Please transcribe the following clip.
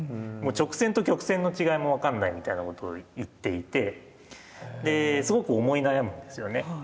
直線と曲線の違いも分かんないみたいなことを言っていてですごく思い悩むんですよね。